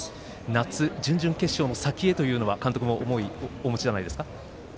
夏、準々決勝の先へということは監督も思いをお持ちではないですか。